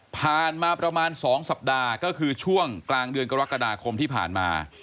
ผ่านมาประมาณ๒สัปดาห์ก็คือช่วงกลางเดือนกรกฎาคมที่ผ่านมา